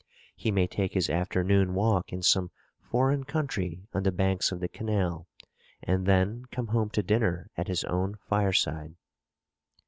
He may take his afternoon walk in some foreign country on the banks of the canal, and then come home to dinner at his own fireside.